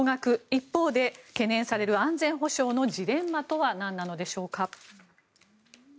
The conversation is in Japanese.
一方で、懸念される安全保障のジレンマとはなんなのでしょうか。